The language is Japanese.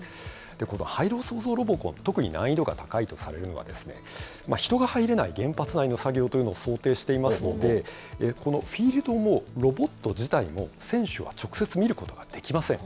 この廃炉創造ロボコン、特に難易度が高いとされるのがですね、人が入れない原発内の作業というのを想定していますので、このフィールドも、ロボット自体も、選手は直接見ることができません。